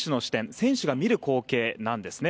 選手が見る光景なんですね。